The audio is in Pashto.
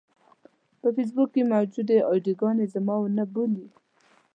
په فېسبوک کې موجودې اې ډي ګانې زما ونه بولي.